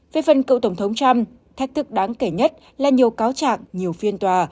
về phần cựu tổng thống trump thách thức đáng kể nhất là nhiều cáo trạng nhiều phiên tòa